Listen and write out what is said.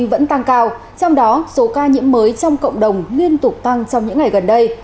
vẫn tăng cao trong đó số ca nhiễm mới trong cộng đồng liên tục tăng trong những ngày gần đây